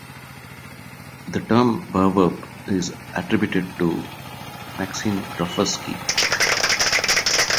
The term perverb is attributed to Maxine Groffsky.